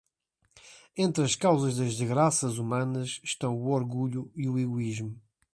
Entre as causas das desgraças humanas estão o orgulho e o egoísmo